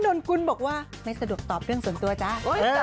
นนกุลบอกว่าไม่สะดวกตอบเรื่องส่วนตัวจ้า